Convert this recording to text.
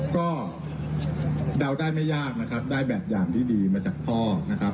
ก็เดาได้ไม่ยากนะครับได้แบบอย่างที่ดีมาจากพ่อนะครับ